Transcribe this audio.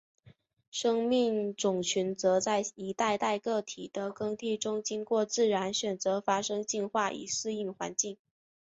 生命种群则在一代代个体的更替中经过自然选择发生进化以适应环境。